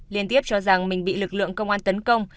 liên tiếp cho rằng mình bị lực lượng công an tấn công